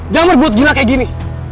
jangan berbuat gila kayak gini